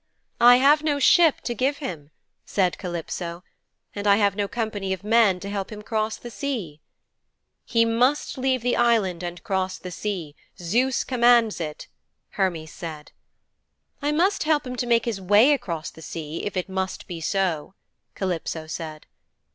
'I have no ship to give him,' said Calypso, 'and I have no company of men to help him to cross the sea,' 'He must leave the Island and cross the sea Zeus commands it,' Hermes said. 'I must help him to make his way across the sea if it must be so,' Calypso said.